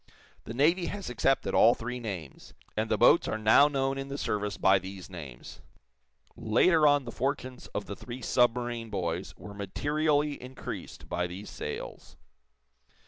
The Navy has accepted all three names, and the boats are now known in the service by these names. Later on the fortunes of the three submarine boys were materially increased by these sales.